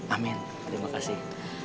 amin terima kasih